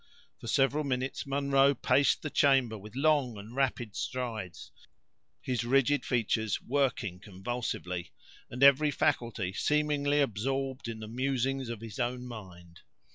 For several minutes Munro paced the chamber with long and rapid strides, his rigid features working convulsively, and every faculty seemingly absorbed in the musings of his own mind.